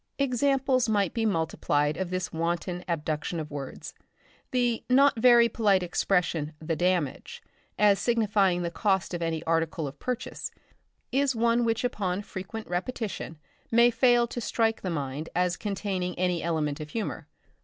Examples might be multiplied of this wanton abduction of words. The not very polite expression "the damage," as signifying the cost of any article of purchase, is one which upon frequent repetition may fail to strike the mind as containing any element of humour.